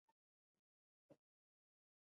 حیوانات د مزرعو ساتونکي دي.